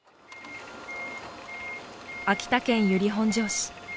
秋田県由利本荘市。